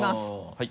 はい。